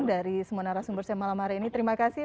dari semua narasumber semalam hari ini terima kasih